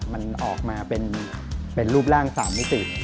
มันออกมาเป็นรูปร่าง๓มิติ